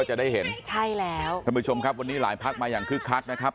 ใช่แล้วท่านผู้ชมครับวันนี้หลายภาคมาอย่างคึกคัดนะครับ